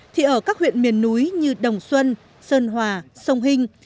thì ở các huyện miền núi như đồng xuân sơn hòa sông hình